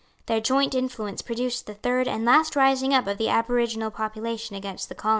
Their joint influence produced the third and last rising up of the aboriginal population against the colony.